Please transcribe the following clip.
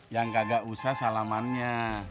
yang kagak usah salamannya